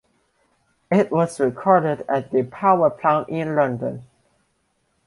It was recorded at The Power Plant in London.